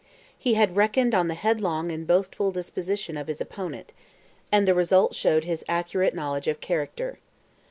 He had reckoned on the headlong and boastful disposition of his opponent, and the result showed his accurate knowledge of character.